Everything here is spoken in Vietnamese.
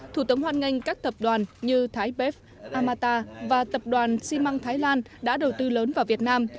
thủ tướng hoan nghênh các tập đoàn như thái bếp amata và tập đoàn xi măng thái lan đã đầu tư lớn vào việt nam